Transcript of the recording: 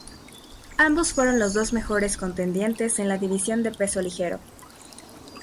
Ambos fueron los dos mejores contendientes en la división de peso ligero.